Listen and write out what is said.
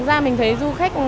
thực ra mình thấy du khách